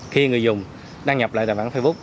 khi người dùng đăng nhập lại tài khoản facebook